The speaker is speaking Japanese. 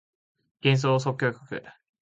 幻想即興曲